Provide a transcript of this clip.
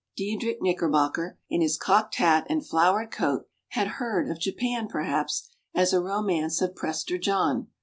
Diedrich Knickerbocker, in his cocked hat and flowered coat, had heard of Japan, perhaps, as a romance of Prester John.